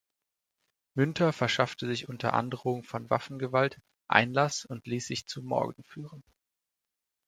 Münter verschaffte sich unter Androhung von Waffengewalt Einlass und ließ sich zu Morgan führen.